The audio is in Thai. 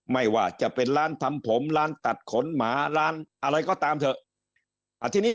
ไม่ว่าจะเป็นร้านทำผมร้านตัดขนหมาร้านอะไรก็ตามเถอะ